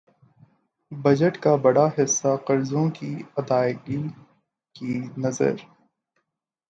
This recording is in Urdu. بجٹ کا بڑا حصہ قرضوں کی ادائیگی کی نذر